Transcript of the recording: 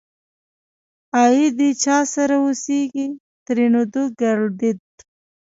آئيدې چا سره اوسيږ؛ ترينو ګړدود